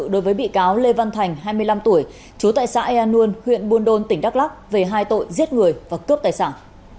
đối với bị cáo lê văn thành hai mươi năm tuổi chú tại xã eanun huyện buôn đôn tỉnh đắk lắc về hai tội giết người và cướp tài sản